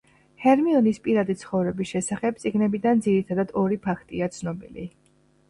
ჰერმიონის პირადი ცხოვრების შესახებ წიგნებიდან ძირითადად, ორი ფაქტია ცნობილი.